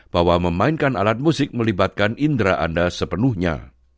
bahwa memainkan alat musik melibatkan indera anda sepenuhnya